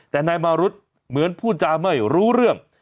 แต่นายมารุธเหมือนพูดจาไม่รู้เรื่อง